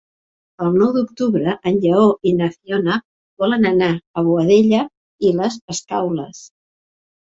El nou d'octubre en Lleó i na Fiona volen anar a Boadella i les Escaules.